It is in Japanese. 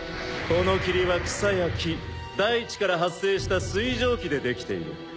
この霧は草や木大地から発生した水蒸気で出来ている。